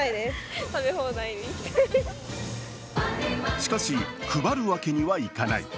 しかし配るわけにはいかない。